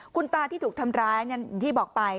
คุณตาที่ถูกทำร้ายอย่างที่บอกไป